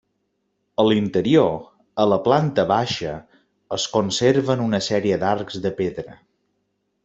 A l'interior, a la planta baixa, es conserven una sèrie d'arcs de pedra.